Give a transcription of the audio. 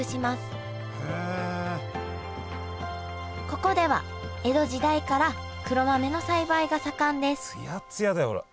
ここでは江戸時代から黒豆の栽培が盛んですツヤツヤだよほら。